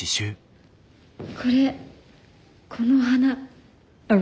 これこの花。